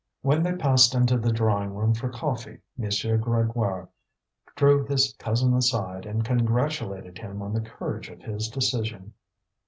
When they passed into the drawing room for coffee, M. Grégoire drew his cousin aside and congratulated him on the courage of his decision.